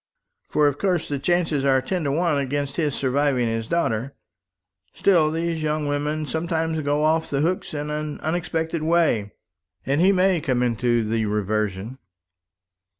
"For of course the chances are ten to one against his surviving his daughter. Still these young women sometimes go off the hooks in an unexpected way, and he may come into the reversion."